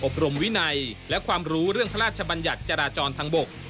รมวินัยและความรู้เรื่องพระราชบัญญัติจราจรทางบก